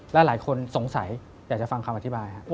และหลายคนสงสัยอยากจะฟังคำอธิบายครับ